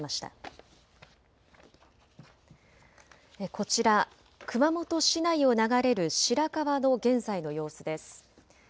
こちら、熊本市内を流れる白川の現在の様子です。